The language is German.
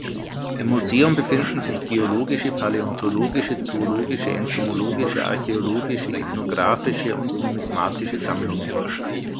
Im Museum befinden sich geologische, paläontologische, zoologische, entomologische, archäologische, ethnografische und numismatische Sammlungen.